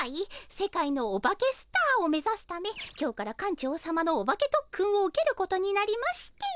世界のオバケスターを目ざすため今日から館長さまのオバケとっくんを受けることになりまして。